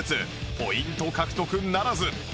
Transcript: ポイント獲得ならず